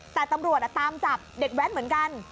แต่ตำรวจตามจับเด็กแว้นเหมือนกัน